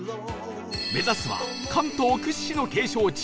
目指すは関東屈指の景勝地